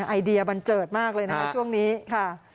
ไอเดียบันเจิดมากเลยนะคะช่วงนี้ค่ะ